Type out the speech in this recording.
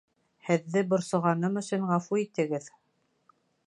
Һеҙҙе борсоғаным өсөн ғәфү итегеҙ